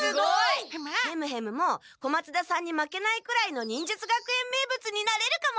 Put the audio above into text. ヘムヘムも小松田さんに負けないくらいの忍術学園名物になれるかも！